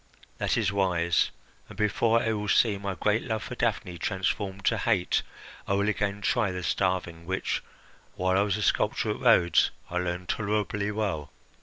That is wise, and before I will see my great love for Daphne transformed to hate, I will again try the starving which, while I was a sculptor at Rhodes, I learned tolerably well."